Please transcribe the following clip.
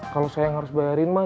kalau saya yang harus bayarin mah